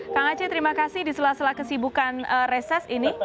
kang aceh terima kasih di sela sela kesibukan reses ini